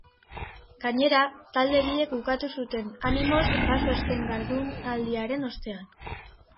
Gainera, talde biek bukatu zuten animoz baxu azken jardunaldiaren ostean.